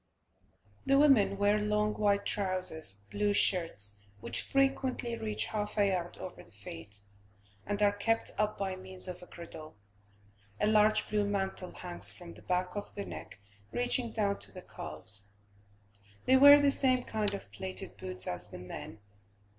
The women wear long wide trousers, blue shirts, which frequently reach half a yard over the feet, and are kept up by means of a girdle; a large blue mantle hangs from the back of the neck, reaching down to the calves. They wear the same kind of plated boots as the men.